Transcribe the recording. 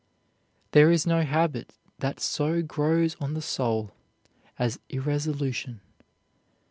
There is no habit that so grows on the soul as irresolution.